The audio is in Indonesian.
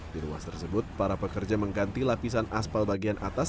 di ruas tersebut para pekerja mengganti lapisan aspal bagian atas